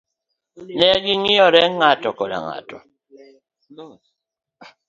Negi ngiyore ng'ato koda ng' ato.